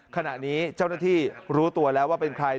ขณะนี้เจ้าหน้าที่รู้ตัวแล้วว่าเป็นใคร